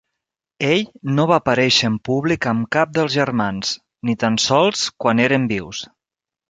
Ell no va aparèixer en públic amb cap dels germans, ni tan sols quan eren vius.